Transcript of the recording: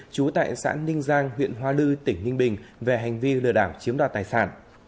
trú tại xã ninh giang huyện hoa lư tỉnh ninh bình về hành vi lừa đảo chiếm đoạt tài sản